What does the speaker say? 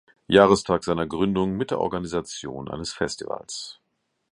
Jahrestag seiner Gründung mit der Organisation eines Festivals.